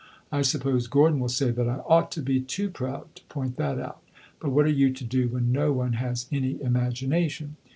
I suppose Gordon will say that I ought to be too proud to point that out; but what are you to do when no one has any imagination?